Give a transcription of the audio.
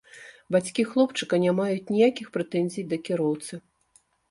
Бацькі хлопчыка не маюць ніякіх прэтэнзій да кіроўцы.